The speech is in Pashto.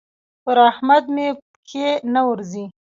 پر احمد مې پښې نه ورځي.